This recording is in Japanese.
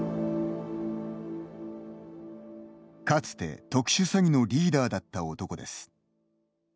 かつて特殊詐偽のリーダーだった男です。